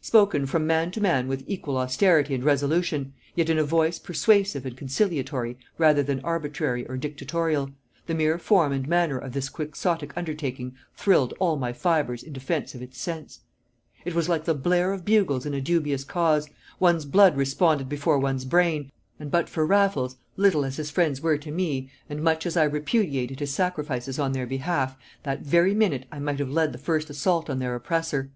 Spoken from man to man with equal austerity and resolution, yet in a voice persuasive and conciliatory rather than arbitrary or dictatorial, the mere form and manner of this quixotic undertaking thrilled all my fibres in defiance of its sense. It was like the blare of bugles in a dubious cause; one's blood responded before one's brain; and but for Raffles, little as his friends were to me, and much as I repudiated his sacrifices on their behalf, that very minute I might have led the first assault on their oppressor.